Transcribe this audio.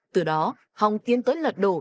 từ đó hồng tiến tới lật đổ